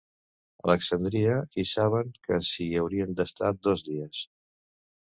Alexandria i saben que s'hi hauran d'estar dos dies.